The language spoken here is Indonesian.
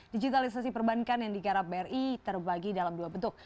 digitalisasi perbankan yang digarap bri terbagi dalam dua bentuk